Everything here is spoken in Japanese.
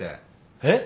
えっ！？